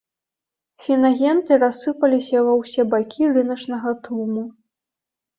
Фінагенты рассыпаліся ва ўсе бакі рыначнага тлуму.